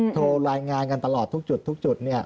โทรรายงานกันตลอดทุกจุดทุกจุด